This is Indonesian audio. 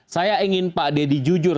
saya ingin pak deddy jujur